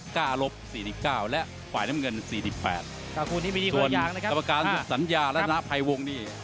กล้าลบ๔๙และฝ่ายน้ำเงิน๔๘ส่วนกรรมการสัญญาและหน้าภัยวงศ์นี่